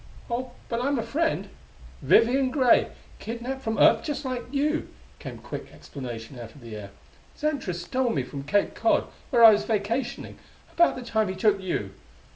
"Oh, but I'm a friend Vivian Gray kidnapped from Earth just like you!" came quick explanation out of the air. "Xantra stole me from Cape Cod, where I was vacationing, about the time he took you.